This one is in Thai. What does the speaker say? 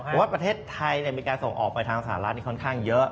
เพราะว่าประเทศไทยมีการส่งออกไปทางสหรัฐค่อนข้างเยอะ